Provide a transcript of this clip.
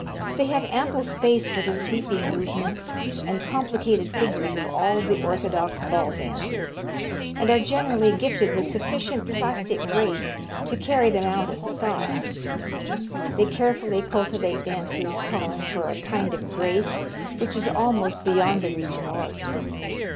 They have ample space for the sweeping movements and complicated figures of all the orthodox ball dances, and are generally gifted with sufficient plastic grace to carry them out in style. They carefully cultivate dances calling for a kind of grace which is almost beyond the reach of art.